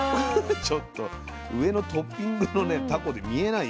ちょっと上のトッピングのねタコに見えないよ